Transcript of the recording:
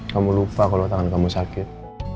kamu lupa kalau tangan kamu sakit